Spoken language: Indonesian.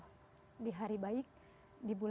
dan itu adalah varianya kalo kamu medical